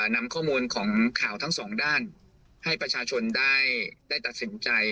นำข้อมูลของข่าวทั้งสองด้านให้ประชาชนได้ตัดสินใจ